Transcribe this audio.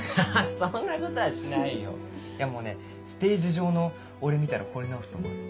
そんなことはしないよいやもうねステージ上の俺見たら惚れ直すと思うよ。